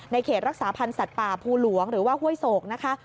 เขตรักษาพันธ์สัตว์ป่าภูหลวงหรือว่าห้วยโศกนะคะ